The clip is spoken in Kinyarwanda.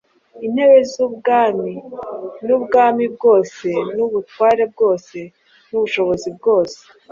intebe z’ubwami n’ubwami bwose, n’ubutware bwose, n’ubushobozi bwose.